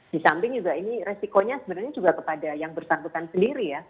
di samping juga ini resikonya sebenarnya juga kepada yang bersangkutan sendiri ya